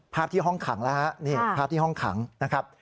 ภาพที่ห้องขังนะครับ